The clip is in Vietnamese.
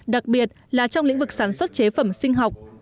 đặc biệt là trong lĩnh vực sản xuất